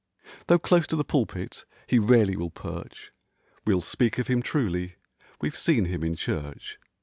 Though close to the pulpit he rarely will perch We'll speak of him truly—^we've seen him in church.